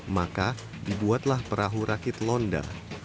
maka dibuatlah perahu rakit londa